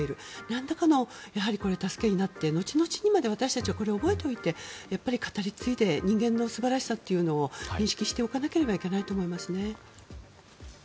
なんらかの助けになって後々にまで私たちはこれを覚えておいて、語り継いで人間の素晴らしさというのを認識しておかなければいけないと思います。